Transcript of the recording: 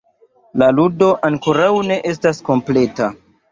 La ludo ankoraŭ ne estas kompleta: